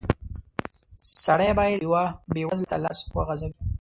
سړی بايد يوه بېوزله ته لاس وغزوي.